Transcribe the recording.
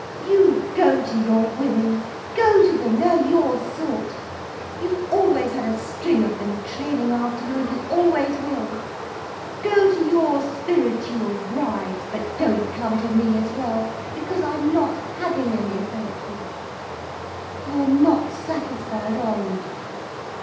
You go to your women—go to them—they are your sort—you've always had a string of them trailing after you—and you always will. Go to your spiritual brides—but don't come to me as well, because I'm not having any, thank you. You're not satisfied, are you?